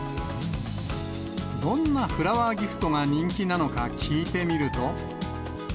どんなフラワーギフトが人気なのか聞いてみると。